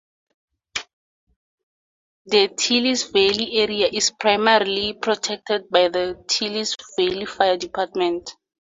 The Teays Valley area is primarily protected by the Teays Valley Fire Department.